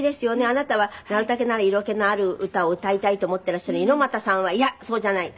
あなたはなるたけなら色気のある歌を歌いたいと思っていらっしゃるのに猪俣さんはいやそうじゃない。